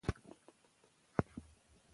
که حکومت وضعیت اصلاح نه کړي، ولس به پاڅون وکړي.